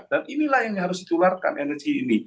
dan inilah yang harus ditularkan energi ini